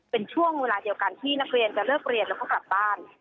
เป็นช่วงเวลาเดียวกันที่นักเรียนจะเลิกเรียนแล้วก็กลับบ้าน